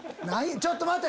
ちょっと待て！